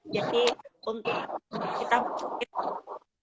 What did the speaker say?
jadi untuk kita mencoba